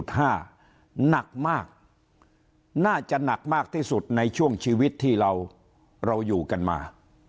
หนักมากน่าจะหนักมากที่สุดในช่วงชีวิตที่เราอยู่กันมา